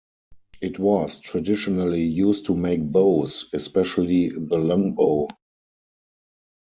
It was traditionally used to make bows, especially the longbow.